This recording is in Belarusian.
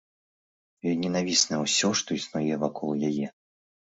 Ёй ненавіснае усё, што існуе вакол яе.